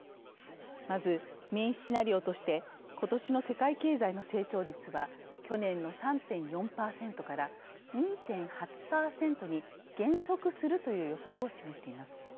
まずメインシナリオとして今年の世界経済の成長率は去年の３．４％から２．８％に減速するという予測を示しています。